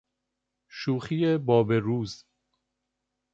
شوخی باب روز